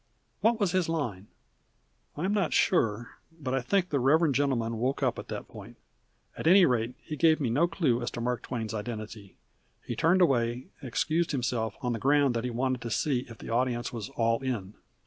What was his line?" I am not sure, but I think the reverend gentleman woke up at that point. At any rate he gave me no clue as to Mark Twain's identity. He turned away, and excused himself on the ground that he wanted to see if the audience was "all in."